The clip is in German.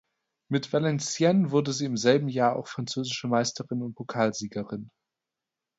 Mit Valenciennes wurde sie im selben Jahr auch französische Meisterin und Pokalsiegerin.